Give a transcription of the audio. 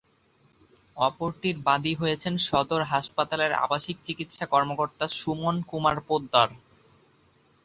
অপরটির বাদী হয়েছেন সদর হাসপাতালের আবাসিক চিকিৎসা কর্মকর্তা সুমন কুমার পোদ্দার।